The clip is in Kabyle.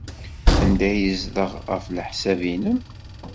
Anda ay yezdeɣ, ɣef leḥsab-nnem?